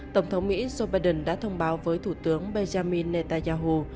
tổng thống mỹ joe biden đã thông báo với thủ tướng benjamin netanyahu